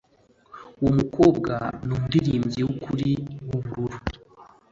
Uwo mukobwa numuririmbyi wukuri wubururu.